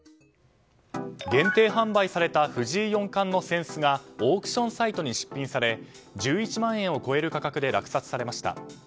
限定販売された藤井四冠の扇子がオークションサイトに出品され１１万円を超える価格で落札されました。